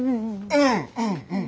うんうんうん。